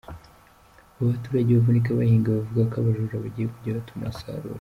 Abo baturage bavunika bahinga bavuga ko abajura bagiye kujya batuma basarura .